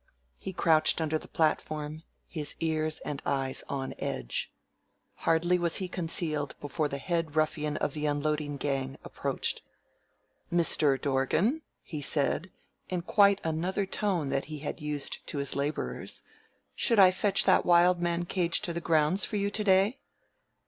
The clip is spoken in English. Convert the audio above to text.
He crouched under the platform, his ears and eyes on edge. Hardly was he concealed before the head ruffian of the unloading gang approached. "Mister Dorgan," he said, in quite another tone than he had used to his laborers, "should I fetch that wild man cage to the grounds for you to day?"